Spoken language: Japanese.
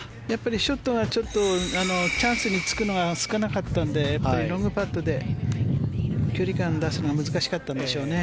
ショットがちょっとチャンスにつくのは少なかったのでロングパットで距離感出すのが難しかったんでしょうね。